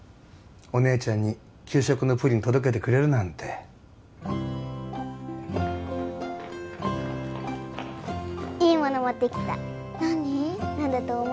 お姉ちゃんに給食のプリン届けてくれるなんていいもの持ってきた